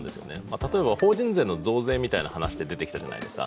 例えば、法人税の増税っていう話が出てきたじゃないですか